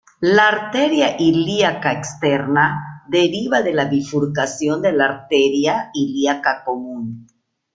La arteria ilíaca externa deriva de la bifurcación de la arteria ilíaca común.